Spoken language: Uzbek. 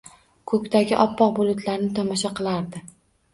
Koʻkdagi oppoq bulutlarni tomosha qilardi.